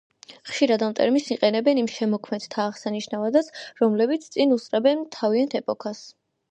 ხშირად ამ ტერმინს იყენებენ იმ შემოქმედთა აღსანიშნავადაც, რომლებიც წინ უსწრებენ თავიანთ ეპოქას.